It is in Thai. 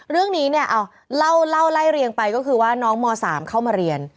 เรื่องนี้เนี่ยเอาเล่าไล่เรียงไปก็คือว่าน้องม๓เข้ามาเรียน